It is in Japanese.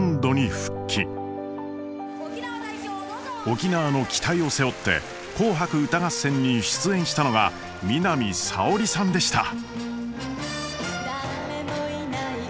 沖縄の期待を背負って「紅白歌合戦」に出演したのが南沙織さんでした。